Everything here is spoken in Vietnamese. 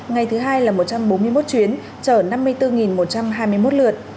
ngày thứ hai là một trăm bốn mươi một chuyến chở năm mươi bốn một trăm hai mươi một lượt